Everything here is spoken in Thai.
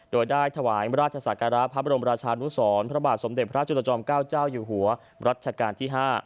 โดยได้ถวายราชศักระพระบรมราชานุสรพระบาทสมเด็จพระจุลจอมเกล้าเจ้าอยู่หัวรัชกาลที่๕